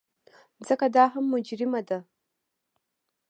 ځکه دا هم مجرمه ده.